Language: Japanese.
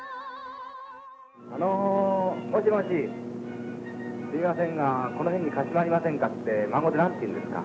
あのもしもしすいませんが「この辺で貸間ありませんか」って満語で何ていうんですか？